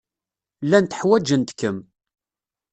Llant ḥwajent-kem.